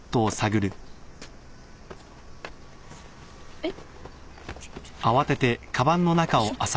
えっ？